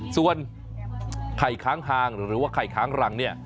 ส่วนไข่ค้างคางหรือว่าไข่ค้างรังเนี่ย